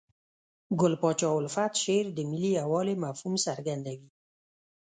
ګل پاچا الفت شعر د ملي یووالي مفهوم څرګندوي.